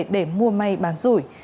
để mua may bán rủi